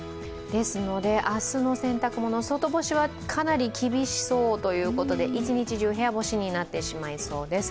ですので明日の洗濯物、外干しはかなり厳しそうということで一日中、部屋干しになってしまいそうです。